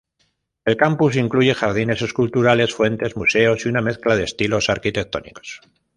El campus incluye jardines esculturales, fuentes, museos y una mezcla de estilos arquitectónicos.